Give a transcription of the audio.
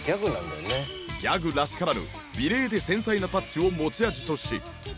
ギャグらしからぬ美麗で繊細なタッチを持ち味とし。